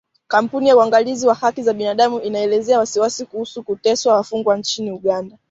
Kampuni ya Uangalizi wa haki za binadamu inaelezea wasiwasi kuhusu kuteswa wafungwa nchini Uganda.